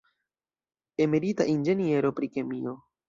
Emerita inĝeniero pri kemio.